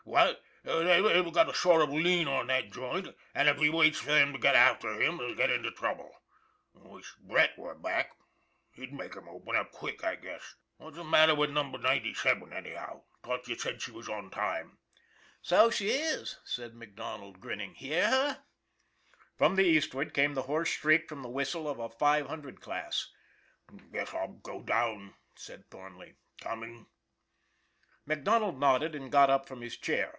What ? TheyVe got a sort of lien on that joint, and if he waits for them to get after him he'll get into trouble v Wish Brett were back he'd make him open up quick, I guess. What's the matter with Number 298 ON THE IRON AT BIG CLOUD Ninety Seven, anyhow ? Thought you said she was on time?" " So she is," said MacDonald, grinning. " Hear her?" From the eastward came the hoarse shriek from the whistle of a five hundred class. " Guess I'll go down," said Thornley. " Coming? " MacDonald nodded and got up from his chair.